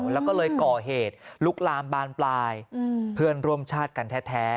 แล้วก็เลยก่อเหตุลุกลามบานปลายเพื่อนร่วมชาติกันแท้